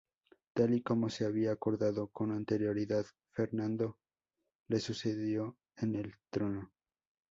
Tal y como se había acordado con anterioridad, Fernando le sucedió en el trono.